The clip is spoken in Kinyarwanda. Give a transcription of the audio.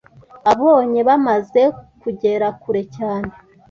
Abonye bamaze kugera kure cyane,